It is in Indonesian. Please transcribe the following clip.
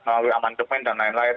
melalui amandemen dan lain lain